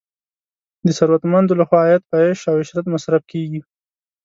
د ثروتمندو لخوا عاید په عیش او عشرت مصرف کیږي.